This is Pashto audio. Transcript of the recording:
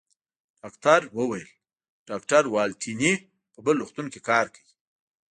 ډاکټر وویل: ډاکټر والنتیني په بل روغتون کې کار کوي.